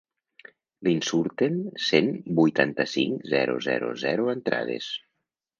Li'n surten cent vuitanta-cinc.zero zero zero entrades.